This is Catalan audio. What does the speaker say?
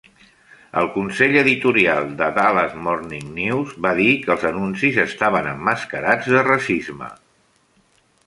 El consell editorial de "Dallas Morning News" va dir que els anuncis estaven emmascarats de racisme.